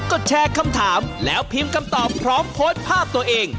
ก็แชร์คำถามแล้วพิมพ์คำตอบพร้อมโพสต์ภาพตัวเอง